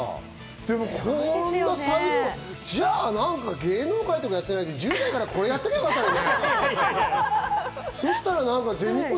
でもこんな才能、じゃあ何か芸能界じゃなくて、１０代からこれをやっとけばよかったよね。